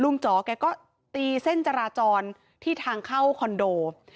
ลุงจอบ์แกก็ตีเส้นจราจรที่ทางเข้าคอนโดลักษณะ